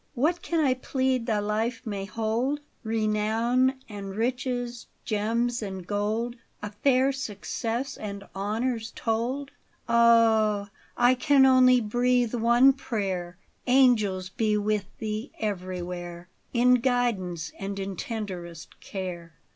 What can I plead thy life may hold? Renown and riches, gems and gold? A fair success, and honors told ? Ah, I can only breathe one prayer, — Angels be with thee everywhere. In guidance and in tenderest care.